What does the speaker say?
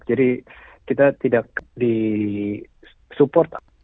jadi kita tidak di support